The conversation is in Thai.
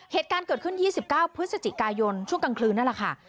เหตุการณ์เกิดขึ้น๒๙พฤศจิกายนช่วงกลางคืนนั่นแหละค่ะ